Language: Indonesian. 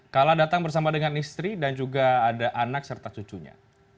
kala datang bersama dengan istri dan juga ada anak serta cucunya